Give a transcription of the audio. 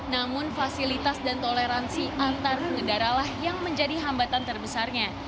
namun fasilitas dan toleransi antar pengendara lah yang menjadi hambatan terbesarnya